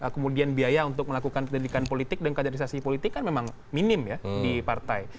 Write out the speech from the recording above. kemudian biaya untuk melakukan pendidikan politik dan kaderisasi politik kan memang minim ya di partai